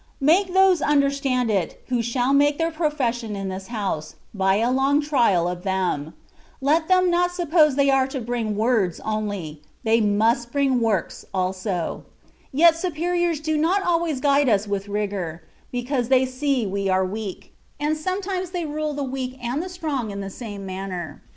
Make those understand it, who shall make their profession in this house, by a long trial of them: let them not suppose they are to bring words only: they must bring works also. Yet superiors do not always guide us with rigour, because they see we are weak; and sometimes THE WAY OF PERFECTION. 161 they rule the weak and the strong in the same manner.